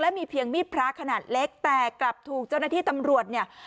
มีเพียงมีดพระขนาดเล็กแต่กลับถูกเจ้าหน้าที่ตำรวจเนี่ย